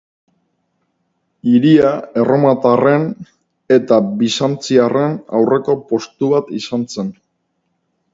Hiria erromatarren eta bizantziarren aurreko-postu bat izan zen.